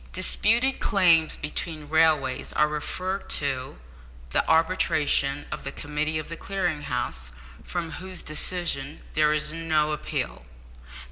Disputed claims between railways are referred to the arbitration of the committee of the Clearing House, from whose decision there is no appeal.